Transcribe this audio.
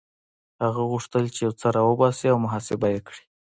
هغه غوښتل چې يو څه را وباسي او محاسبه يې کړي.